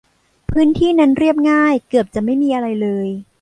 พื้นที่นั้นเรียบง่าย เกือบจะไม่มีอะไรเลย